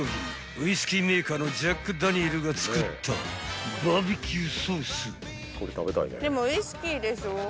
［ウイスキーメーカーのジャックダニエルが作ったバーベキューソース］